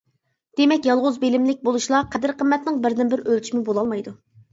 دېمەك، يالغۇز بىلىملىك بولۇشلا قەدىر-قىممەتنىڭ بىردىنبىر ئۆلچىمى بولالمايدۇ.